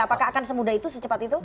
apakah akan semudah itu secepat itu